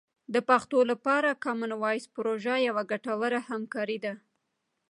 د پښتو لپاره کامن وایس پروژه یوه ګټوره همکاري ده.